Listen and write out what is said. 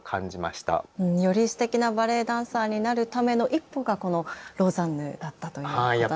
よりすてきなバレエダンサーになるための一歩がこのローザンヌだったということなんですね。